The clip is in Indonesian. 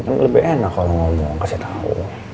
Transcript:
kan lebih enak kalau ngomong kasih tahu